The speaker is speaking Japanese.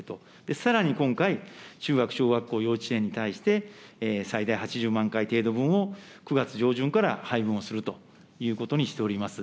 さらに今回、中学、小学校、幼稚園に対して、最大８０万回程度分を９月上旬から配分をするということにしております。